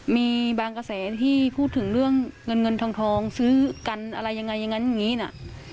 มีบางกระแสที่พูดถึงเรื่องเงินทองซื้อกันอะไรยังไงอย่างนี้นะ